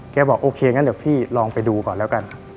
บอกโอเคงั้นเดี๋ยวพี่ลองไปดูก่อนแล้วกัน